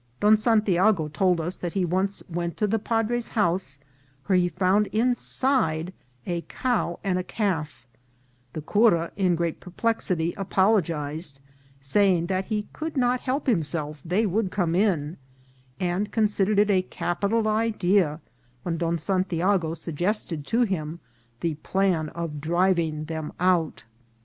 Don San tiago told us that he once went to the padre's house, where he found inside a cow and a calf; the cura, in great perplexity, apologized, saying that he could not help himself, they would come in ; and considered it a capital idea when Don Santiago suggested to him the plan of driving them out.